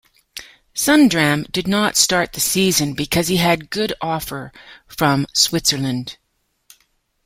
Sundram did not start the season because he had good offer from Switzerland.